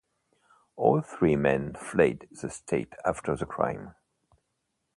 All three men fled the state after the crime.